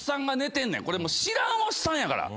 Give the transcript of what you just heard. これもう知らんおっさんやから。